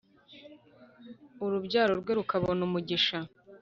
Urubyaro rwe rukabona umugisha